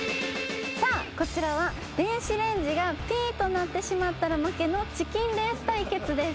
さあこちらは電子レンジがピーと鳴ってしまったら負けのチキンレース対決です。